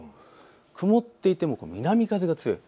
曇っていても南風が強い。